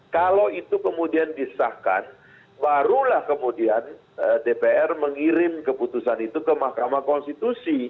kalau itu kemudian disahkan barulah kemudian dpr mengirim keputusan itu ke mahkamah konstitusi